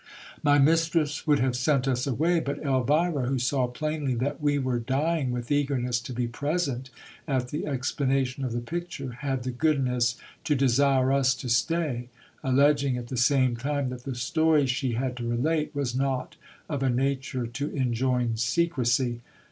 My mistress would have sent us away ; but Elvira, who saw plainly that we were dying with eagerness to be present at the explanation of the picture, had the goodness to desire us to stay, alleging at the same time that the story she had to relate was not of a nature to enjoin secrecy.